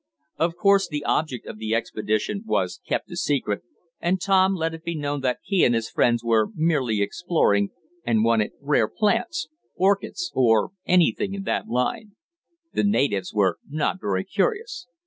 Of course the object of the expedition was kept a secret, and Tom let it be known that he and his friends were merely exploring, and wanted rare plants, orchids, or anything in that line. The natives were not very curious.